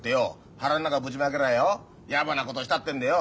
腹ん中ぶちまけりゃよやぼなことしたってんでよ